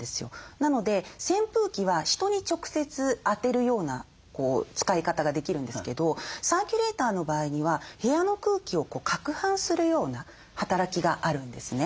なので扇風機は人に直接当てるような使い方ができるんですけどサーキュレーターの場合には部屋の空気をかくはんするような働きがあるんですね。